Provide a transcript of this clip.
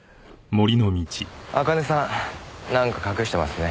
茜さんなんか隠してますね。